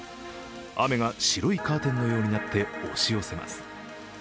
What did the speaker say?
雨が白いカーテンのようになって押し寄せます。